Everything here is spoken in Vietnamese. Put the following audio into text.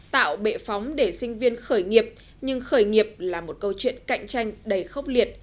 tạo bệ phóng để sinh viên khởi nghiệp nhưng khởi nghiệp là một câu chuyện cạnh tranh đầy khốc liệt